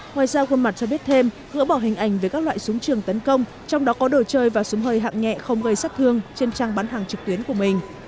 ngoài ra khuôn mặt cho biết thêm gỡ bỏ hình ảnh về các loại súng trường tấn công trong đó có đồ chơi và súng hơi hạng nhẹ không gây sát thương trên trang bán hàng trực tuyến của mình